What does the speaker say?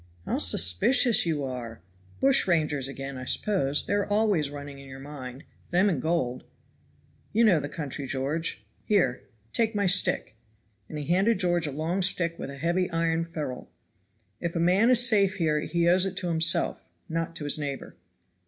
"How suspicious you are! Bushrangers again, I suppose. They are always running in your mind them and gold." "You know the country, George. Here, take my stick." And he handed George a long stick with a heavy iron ferule. "If a man is safe here he owes it to himself, not to his neighbor."